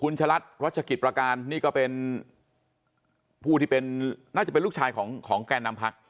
รัชกิจรการประกาศนี่ก็เป็นพูดที่เป็นน่าเป็นลูกชายของแกนนามพักทร์